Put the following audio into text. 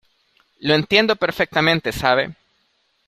lo entiendo perfectamente. ¿ sabe?